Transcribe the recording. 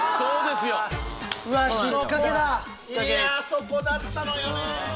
そこだったのよね！